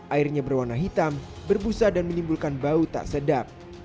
airnya berwarna hitam berbusa dan menimbulkan bau tak sedap